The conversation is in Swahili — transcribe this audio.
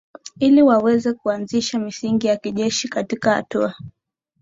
ili waweze kuanzisha misingi ya kijeshi katika Hatua